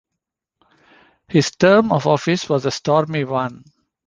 His term of office was a stormy one.